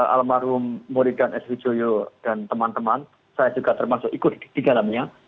almarhum muridhan s widjojo dan teman teman saya juga termasuk ikut di dalamnya